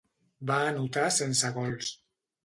Va anotar sense gols.